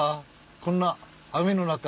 こんな雨の中。